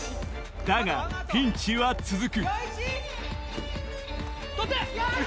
だがピンチは続く捕って！